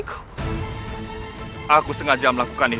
jangan seperti ini